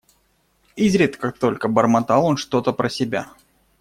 Изредка только бормотал он что-то про себя.